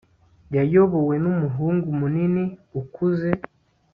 yayobowe numuhungu munini ukuze